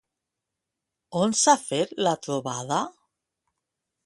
On s'ha fet la trobada?